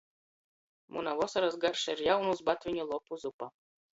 Muna vosorys garša ir jaunūs batviņu lopu zupa.